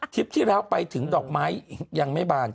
ทริปที่เราไปถึงดอกไม้ยังไม่บาง